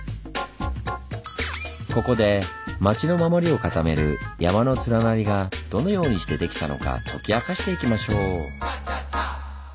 ここで町の守りをかためる山の連なりがどのようにしてできたのか解き明かしていきましょう。